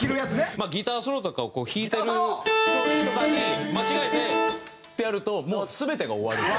まあギターソロとかをこう弾いてる時とかに間違えて。ってやるともう全てが終わるんで。